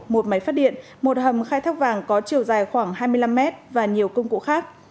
một máy phát điện một hầm khai thác vàng có chiều dài khoảng hai mươi năm mét và nhiều công cụ khác